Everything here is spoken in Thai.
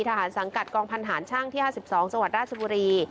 สังกัดกองพันธานช่างที่๕๒จังหวัดราชบุรี